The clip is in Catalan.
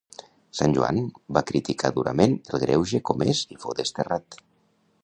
Sant Joan va criticar durament el greuge comès i fou desterrat.